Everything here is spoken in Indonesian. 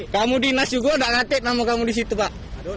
kamu di nasjid goh gak ngatik nama kamu disitu pak